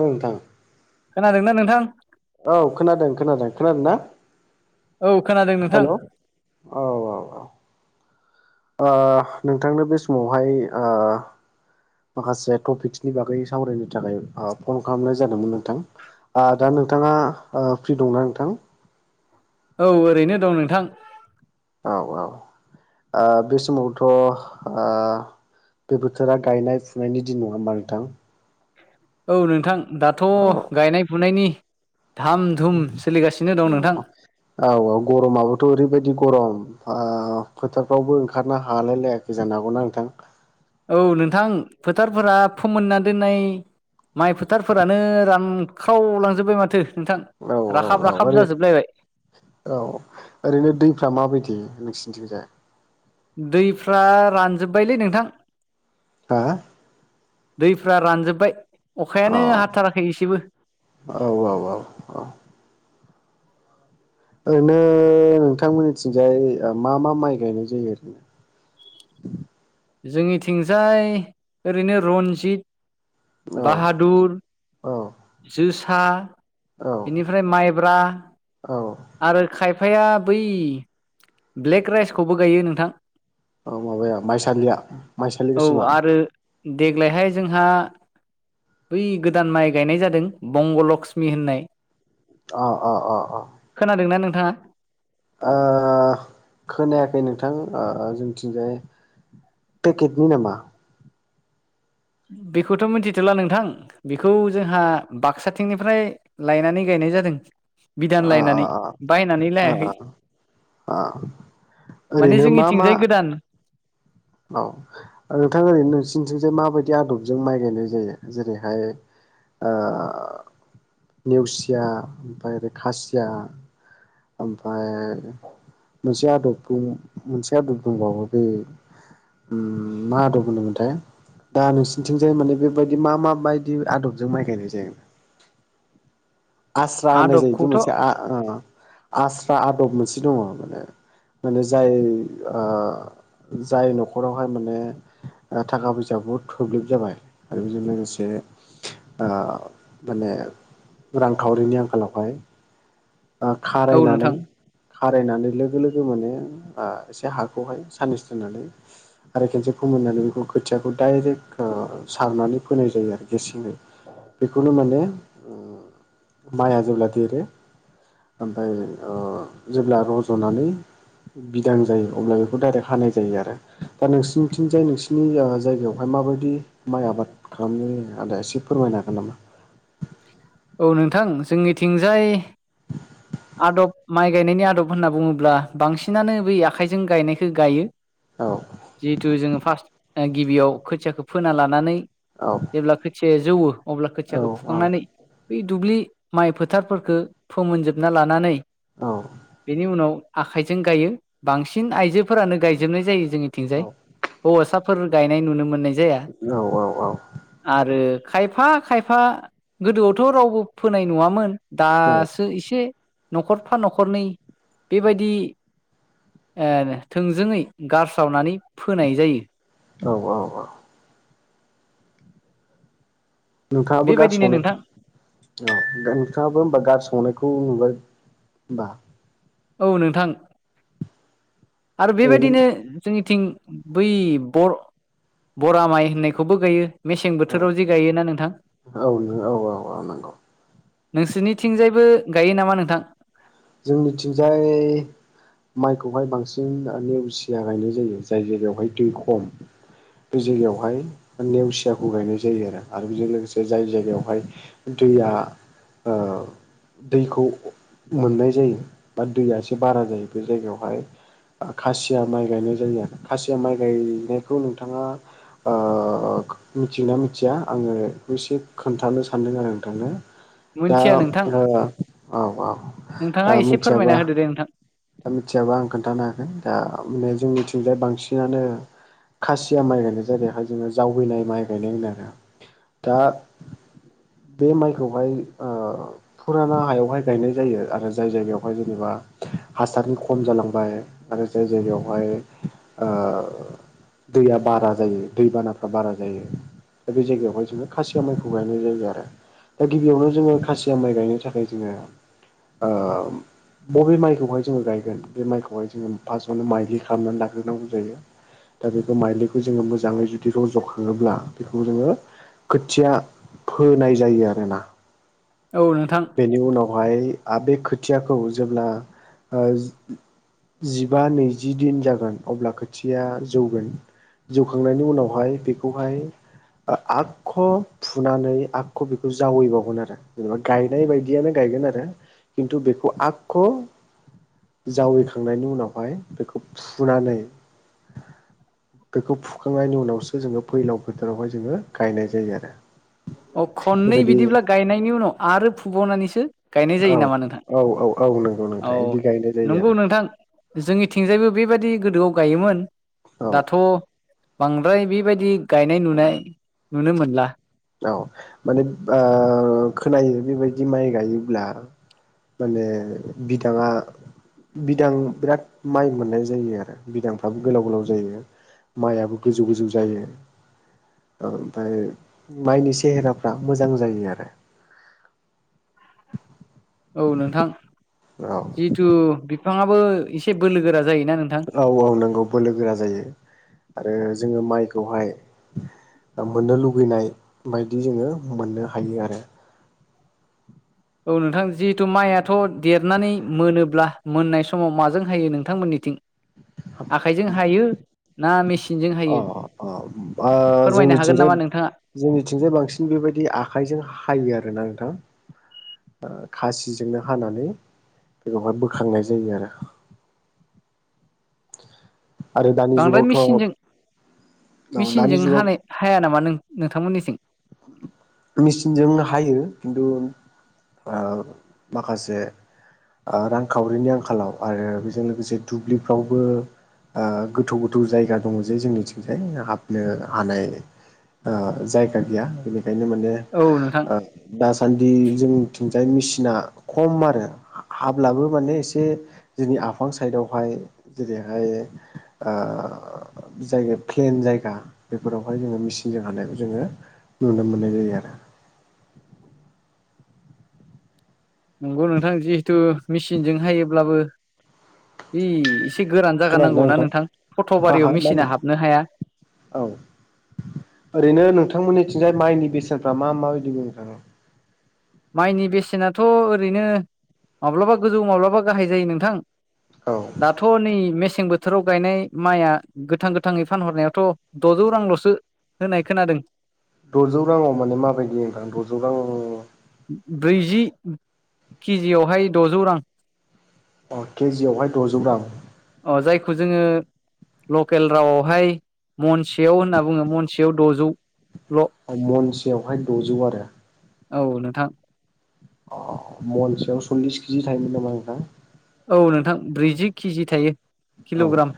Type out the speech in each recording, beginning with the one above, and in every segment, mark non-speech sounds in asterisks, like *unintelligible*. ओम नोंथां खोनादोंना नोंथां औ खोनादों खोनादों खोनादों ना औ खोनादों नोंथां हेल' औ औ औ ओ नोंथांनो बे समावहाय ओ माखासे टपिक्सनि बागै सावरायनो थाखाय ओ फन खालामनाय जादोंमोन नोंथां आ दा नोंथाङा ओ फ्रि दंना नोंथां औ ओरैनो दं नोंथां औ औ ओ बे समावथ' ओ बे बोथोरा गायनाय फुनायनि दिन नङा होमबा नोंथां औ नोंथां दाथ' औ गायनाय फुनायनि धाम धुम सोलिगासिनो दं नोंथां *inaudible* औ औ गरमाबोथ' ओरैबायदि गरम ओ फोथाफ्रावबो ओंखारनो हालाय लायाखै जानो हागौना नोंथां औ नोंथां फोथारफोरा फोमोनना दोननाय माइ फोथारफोरानो रानखावलांजोबबाय माथो नोंथां औ औ राखाब औ राखाब आरे जाजोबलायबाय औ ओरैनो दैफ्रा माबायदि नोंसिनिथिंजाय दैफ्रा रानजोब्बायलै नोंथां आ दैफ्रा रानजोब्बाय अ अखायानो हाथाराखै एसेबो औ औ औ औ ओरैनो नोंथांमोननिथिंजाय ओ मा मा माइ गायनाय जायो ओरैनो *unintelligible* जोंनिथिंजाय ओरैनो रन्जित बाहादुर औ जोसा औ इनिफ्राय माइब्रा औ आरो खायफा फाया बै ब्लेक राइसखौबो गायो नोंथां औ माबाया माइसालिया माइसालि औ गोसोमा आरो देग्लायहाय जोंहा बै गोदान माइ गायनाय जादों बंग लक्ष्मि होननाय अ अ अ अ हा ओह खोनायाखै नोंथां ओह जोंनिथिंजाय पेकेटनि नामा? बेखौथ' मिथिथ'ला नोंथां बेखौ जोंहा बाकसाथिंनिफ्राय लायनानै गायनाय जादों बिदान अ अ लायनानै अ बायनानै अ लायाखै अ माने ओरैनो मा मा जोंनिथिंजाय गोदान औ नोंथां ओरैनो नोंसिनिथिंजाय माबायदि आदबजों माइ गायनाय जायो जेरैहाय ओ नेवसिआ ओमफाय बे खासिया आमफाय मोनसे आदबखौ मोनसे आदब दंबावो बे उम मा आदब होनोमोनथाय दा नोंसोरनिथिंजाय मानि बेबायदि मा मा बायदि आदबजों माइ गायनाय जायो आस्रा होननाय जायो दि‌ आदबखौथ' मोनसे आ ओ आस्रा आदब मोनसे दङ माने माने जाय ओह जाय नख'रावहाय माने ओ थाखा फैसा बहुद थोब्लिब जाबाय आरो बेजों लोगोसे ओह माने रांखावरिनि आंखालावहाय ओ औ खारायनानै नोंथां खारायनानै लोगो लोगो माने आ एसे हाखौहाय साननैसो दोननानै आरो खेनसे फोमोननानै बेखौ खोथियाखौ दाइरेक्ट ओ सारनानै फोनाय जायो आरो गेसेङै बेखौनो माने ओ‌म माइआ जेब्ला देरो ओमफाय ओ जेब्ला रज'नानै बिदां जायो अब्ला बेखौ दाइरेक्ट हानाय जायो आरो दा नोंसिनिथिंजाय नोंसिनि ओ जायगायावहाय माबायदि माइ आबाद खालामनाय आदा एसे फोरमायनो हागोन नामा? औ नोंथां जोंनिथिंजाय आदब माइ गायनायनि आदब होनना बुङोब्ला बांसिनानो बै आखाइजों गायनायखौ गायो औ जिहेथु जोङो फाष्ट ओ गिबियाव खोथियाखौ फोना लानानै औ जेब्ला खोथियाआ जौवो अब्ला औ खोथियाखौ फुखांनानै बि दुब्लि माइ फोथारफोरखौ फोमोनजोबना लानानै औ बिनि उनाव आखाइजों गाइयो बांसिन आइजोफोरानो गायजोबनाय जायो औ जोंनिथिंजाय हौवासा फोर गायनाय नुनो मोननाय जाया औ आरो खायफा खायफा गोदोआवथ' रावबो फोनाय नुआमोन दासो एसे न'खरफा न'खरनै बेबायदि ओ थोंजोङै गारस्रावनानै फोनाय जायो औ औ औ नोंथांआबो बेबायदिनो गारस्रावनायखौ नोंथां औ नोंथांआबो होमबा गारस्रावनायखौ नुबाय बा औ नोंथां आरो ओरैनो बेबायदिनो जोंनि- थिं बै बर बरा माइ होननायखौबो गायो। मेसें औ बोथोराव जि गायोना नोंथां? औ औ औ नंगौ नोंसोरनिथिंजायबो गायो नामा नोंथां? जोंनिथिंजाय माइखौहाय बांसिन नेवसिया गायनाय जायो। जाय जायगायावहाय दै खम बे जायगायावहाय नेवसियाखौ गायनाय जायो आरो आरो बेजों लोगोसे जाय जायगायावहाय दैया ओ दैखौ मोननाय जायो बा दैया एसे बारा जायो बे जायगायावहाय खासिया माइ गायनाय जायो। खासिया माइ गायनायखौ नोंथाङा ओ मिथियोना मिथिया आङो बेखौ एसे खोन्थानो सानदों आरो नोंथांनो दा मोनथिया नोंथां ओ औ औ दा नोंथाङा एसे मिथियाबा फोरमायना होदो दे नोंथां। दा मिथियाबा आं खोन्थानो हागोन दा माने जोंनिथिंजाय बांसिनानो खासिया माइ गायनाय जायोहाय जोङो जावैनाय माइ गायनाय होनो आरो दा *inaudible* बे माइखौहाय ओ फुराना हायावहाय गायनाय जायो आरो जाय जायगायावहाय जेनेबा हासारनि खम जालांबाय आरो जाय जायगायावहाय ओ दैया बारा जायो दैबानाफ्रा बारा जायो दा बे जायगायावहाय जोङो खासिया माइखौ गायनाय जायो आरो। दा गिबियावनो जोङो खासिया माइ गायनो थाखाय जोङो आ बबे माइखौहाय जोङो गायगोन बे माइखौहाय जोङो फास्टआवनो माइज्लि खालामनानै लााग्रोनांगौ जायो। दा बेखौ माइज्लिखौ जोङो मोजाङै जुदि रजखाङोब्ला बेखौ जोङो खोथिया फोनाय जायो आरोना। औ नोंथां बेनि उनावहाय बे खोथियाखौ जेब्ला ओ जिबा नैजि दिन जागोन अब्ला खोथियाया जौगोन जिउ खांनायनि उनावहाय बेखौहाय आखख फुनानै आगख बेखौ जावैबावगोन आरो जेनेबा गायनाय बायदियानो गायगोन आरो खिन्थु बेखौ आगख जावैखांनायनि उनावहाय बेखौ फुनानै बेखौ फुखांनायनि उनावसो जोङो फैलाव फोथारावहाय जोङो गायनाय जायो आरो अ खननै बेबायदि बिदिब्ला गायनायनि उनाव आरो फुबावनानैसो गायनाय जायो औ नामा नोंथां? औ औ औ नंगौ औ नोंथां बिदि गायनाय जायो नंगौ नोंथां जोंनि- थिंजायबो बेबायदि गोदोआव गायोमोन आरो औ दाथ बांद्राय बेबायदि गायनाय नुनाय नुनो मोनला। औ माने ओ खोनायो बेबायदि माइ गायोब्ला माने बिदाङा बिदां बिराद माइ मोननाय जायो आरो बिदांफ्राबो गोलाव गोलाव जायो माइआबो गोजौ गोजौ जायो आमफाय माइनि सेहेराफ्रा मोजां जायो आरो औ नोंथां औ जिथु बिफाङाबो एसे बोलो गोरा जायोना नोंथां औ औ नोंगौ बोलो गोरा जायो आरो जोङो माइखौहाय मोननो लुुबैनाय बायदि जोङो मोननो हायो आरो औ नोंथां जिहेथु माइयाथ देरनानै मोनोब्ला मोननाय समाव माजों हायो नोंथांमोननि थिं आखायजों हायो ना मेसि- अ अ ओ फोरमायनो हागोन जोंनिथिंजाय नामा नोंथाङा जोंनिथिंजाय बांसिन बेबायदि आखाइजों हायो आरोना नोंथां खासिजोंनो हानानै बेवहाय बोखांनाय जायो आरो *unintelligible* आरो दानि बांद्राय जुगावथ' मेचिनजों दानि मेचिनजों जुगाव हानाय हाया नामा नों नोंथांमोननिथिं मेचिनजों हायो खिन्थु ओ माखासे ओ रांखावरिनि आंखालावहाय ओ बेजों लोगोसे दुब्लिफ्रावबो ओ गोथौ गोथौ जायगा दङ जे जोंनिथिंजाय हाबनो हानाय ओ जायगा गैया बेनिखायनो माने औ नोंथां दासान्दि जोंनिथिं *unintelligible* मेचिना खम आरो हाब्लाबो माने एसे जोंनि आफां साइदआवहाय जेरैहाय ओ ओ जायगाया प्लेन जायगा बेफोरावहाय जोङो मेचिनजों हानायखौ जोङो नुनो मोननाय जायो आरो नोंगौ नोंथां जिहेथु मेचिनजों हायोब्लाबो बे गोरान जागा नांगौना नोंथां फट' हा हा बारियाव मा मेचिना होनदों हाबनो हाया औ ओरैनो नोंथांमोननिथिं माइनि बेसेनफ्रा मा माबायदि बुंनो थाङो माइनि बेसेनाथ' ओरैनो माब्लाबा गोजौ माब्लाबा गाहाय जायो नोंथां औ दाथ' नै मेसें बोथोराव गायनाय माइया गोथां गोथाङै फानहरनायावाथ' द'जौ रांल'सो होननाय खोनादों द'जौ राङाव माने माबायदि नोंथां द'जौ रां ब्रैजि केजिआवहाय द'जौ रां अ केजि आवहाय द'जौ रां अ जायखौ जोङो लकेल रावआवहाय महनसेयाव होनना बुङो महनसेयाव द'जौ महनसेयावहाय दजौ आरो औ नोंथां अ महनसेयाव सल्लिस केजि थायोमोन नामा नोंथां? औ नोंथां ब्रैजि केजि थायो औ किल'ग्राम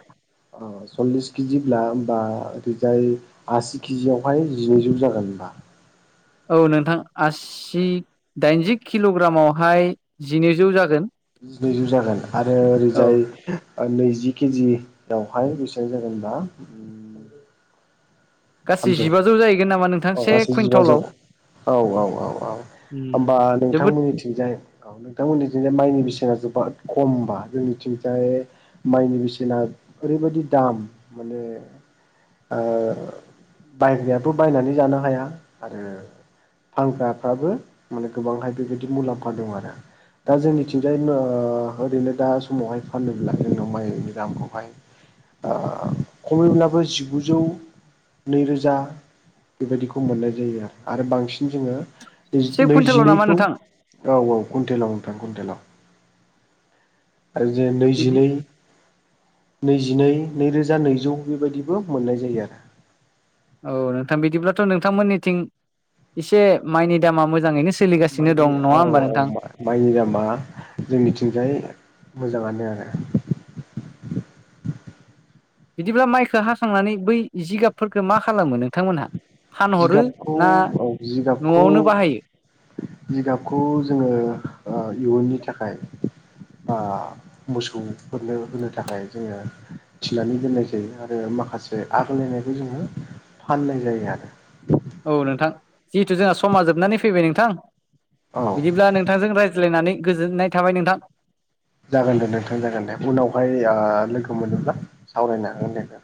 ओ सल्लिस केजिब्ला होमबा ओरैजाय आसि केजिआवहाय जिनैजौ जागोन होनबा औ नोंथां आसि दाइनजि किल'ग्रामावहाय जिनैजौ जागोन जिनैजौ जागोन आरो औ ओरैजाय नैजि केजियावहाय बेसेबां जागोन ओमबा गासै जिबाजौ जाहैगोन नामा नोंथां औ से गासै जिबाजौ कुइन्टलाव औ औ औ औ होमबा जोबोद नोंथांमोननिथिंजाय औ नोंथांमोननिथिंजाय माइनि बेसेना जोबोत खमबा जोंनिथिंजाय माइनि बेसेना ओरैबायदि दाम माने ओ बायग्रायाबो बायनानै जानो हाया आरो ओ फानग्राफ्राबो माने गोबांहाय बेबायदि मुलाम्फा दं आरो दा जोंनिथिंजाय ओ ओरैनो दा समावहाय फानोब्ला जोंनाव माइ बे दामखौहाय ओ खमैब्लाबो जिगुजौ नैरोजा बेबायदिखौ मोननाय जायो आरो आरो बांसिन जोङो से कुइन्टेलाव नामा नैजिनैखौ नोंथां औ औ कुइन्टेलाव नोंथां कुइन्टेलाव आरोदि बिदि नैजिनै नैजि जिनै नैरोजा नैजौ बेबायदिबो मोननाय जायो आरो औ नोंथां बिदिब्लाथ' नोंथांमोननिथिं एसे माइनि दामा मोजाङैनो स माइनि औ औ माइनि दामा जोंनिथिंजाय मोजाङानो आरो *unintelligible* बिदिब्ला माइखो हाखांनानै बै जिगाबफोरखौ मा खालामो? नोंथांमोनहा फानहरो जिगाबखौ ना औ जिगाबखौ न'आवनो बाहायो जिगाबखौ जोङो इयुननि थाखाय मोसौफोरनो होनो थाखाय जोङो फिनानै दोननाय जायो आरो माखासे आगायलायनायखौ जोङो फाननाय जायो आरो औ नोंथां जिहेथु जोंहा समा जोबनानै फैबाय नोंथां औ बिदिब्ला नोंथांजों रायज्लायनानै गोजोननाय थाबाय नोंथां जागोन दे नोंथां जागोन दे उनावहाय लोगो मोनोब्ला सावरायनो हागोन दे